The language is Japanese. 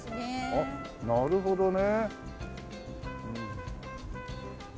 ああなるほどね。